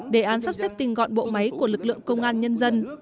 để an sắp xếp tình gọn bộ máy của lực lượng công an nhân dân